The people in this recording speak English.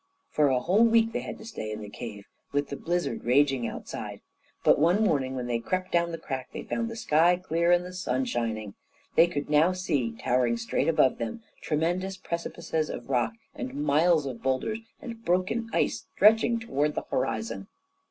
For a whole week they had to stay in the cave, with the blizzard raging outside, but one morning when they crept down the crack they found the sky clear and the sun shining. They could now see, towering straight above them, tremendous precipices of rock, and miles of boulders and broken ice, stretching out toward the horizon.